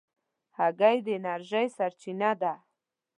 هګۍ د انرژۍ سرچینه ده.